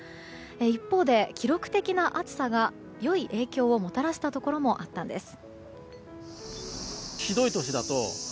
一方で記録的な暑さが良い影響をもたらしたところもあったんです。